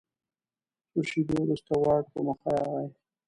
څو شیبې وروسته واټ په مخه راغی.